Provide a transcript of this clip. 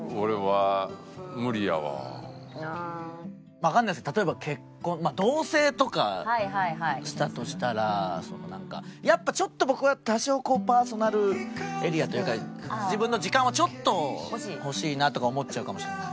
わかんないですけど例えば結婚まあ同棲とかしたとしたらそのなんかやっぱちょっと僕は多少こうパーソナルエリアというか自分の時間はちょっと欲しいなとか思っちゃうかもしれない。